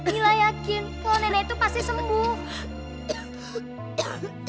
nila yakin kalau nenek itu pasti sembuh